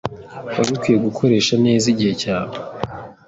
Wari ukwiye gukoresha neza igihe cyawe.